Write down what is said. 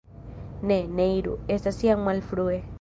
Ne, ne iru, estas jam malfrue.